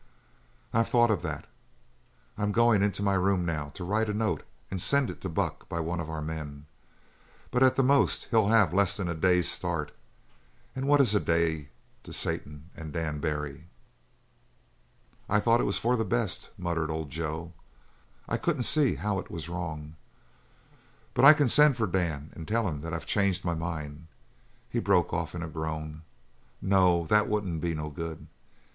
"I've thought of that. I'm going into my room now to write a note and send it to Buck by one of our men. But at the most he'll have less than a day's start and what is a day to Satan and Dan Barry?" "I thought it was for the best," muttered old Joe. "I couldn't see how it was wrong. But I can send for Dan and tell him that I've changed my mind." He broke off in a groan. "No, that wouldn't be no good.